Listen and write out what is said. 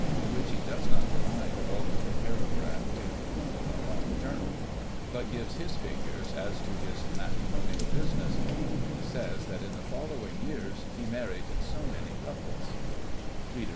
in which he does not deny the bulk of the paragraph taken from the Carlisle Journal^ but gives his figures as to his matrimonial business : he says that in the following years ; he married so many couples : I8II .